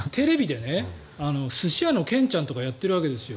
テレビで寿司屋のケンちゃんとかやってるわけですよ。